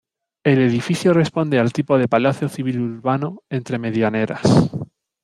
El edificio responde al tipo de palacio civil urbano entre medianeras.